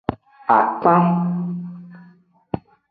Akpan.